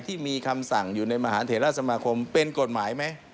ที่มีคำสั่งอยู่ในมหาเทราสมาคมเป็นกฎหมายไหม